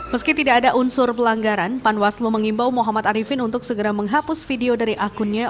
meski tidak ada unsur pelanggaran panwaslu mengimbau muhammad arifin untuk segera menghapus video dari akunnya